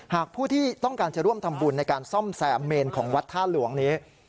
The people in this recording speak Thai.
หากผู้ที่ต้องการจะร่วมทำบุญในการซ่อมแซมเมนของวัดท่าหลวงนี้